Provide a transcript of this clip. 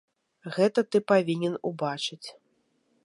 Гэта ты павінен убачыць.